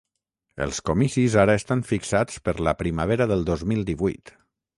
Els comicis ara estan fixats per la primavera del dos mil divuit.